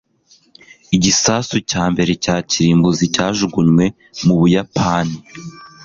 igisasu cya mbere cya kirimbuzi cyajugunywe mu buyapani